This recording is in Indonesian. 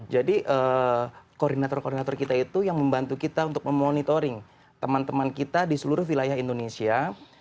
koordinator koordinator kita itu yang membantu kita untuk memonitoring teman teman kita di seluruh wilayah indonesia